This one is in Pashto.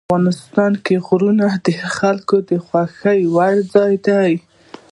افغانستان کې غرونه د خلکو د خوښې وړ ځای دی.